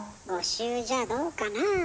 ５周じゃどうかな。